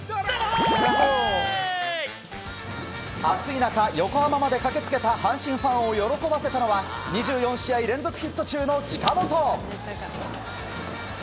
暑い中、横浜まで駆け付けた阪神ファンを喜ばせたのは２４試合連続ヒット中の近本。